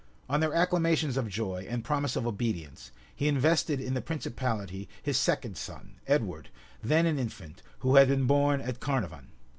On their acclamations of joy, and promise of obedience, he invested in the principality his second son, Edward, then an infant, who had been born at Carnarvon.